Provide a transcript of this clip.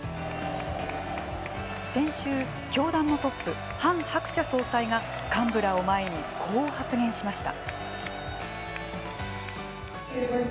先週、教団のトップハン・ハクチャ総裁が幹部らを前にこう発言しました。